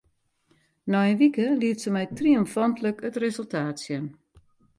Nei in wike liet se my triomfantlik it resultaat sjen.